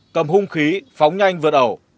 cầm hung khí phóng nhanh vượt ẩu